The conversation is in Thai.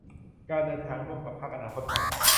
การเดินทางร่วมกับพรรคอนาคตใหม่